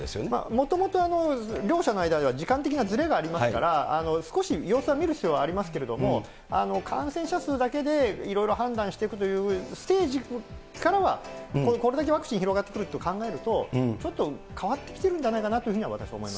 もともと両者の間では時間的なずれがありますから、少し様子は見る必要あると思いますけれども、感染者数だけでいろいろ判断していくというステージからは、これだけワクチンが広がってくることを考えると、ちょっと変わってきてるんじゃないかなというふうには私は思いま